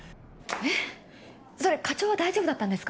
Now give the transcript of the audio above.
えっそれ課長は大丈夫だったんですか？